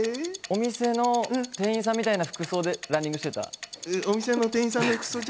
お店の店員さんみたいな服装でランニングしていた。